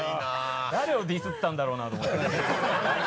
誰をディスったんだろうなと思ってました。